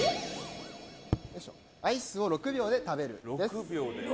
アイスを６秒で食べるです。